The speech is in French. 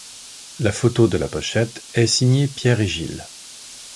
La photo de la pochette est signée Pierre et Gilles.